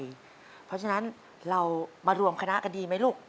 เพราะฉะนั้นเรามารวมคณะกันดีไหมลูก